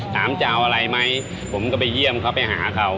จะเอาอะไรไหมผมก็ไปเยี่ยมเขาไปหาเขา